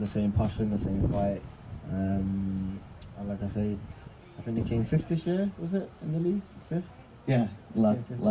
mereka masih memiliki pasien yang sama berjuang yang sama